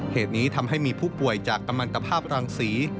เหตุนี้ทำให้มีผู้ป่วยจากกำมันตภาพรังศรี